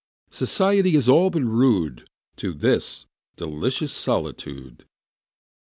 Society is all but rude, To this delicious solitude.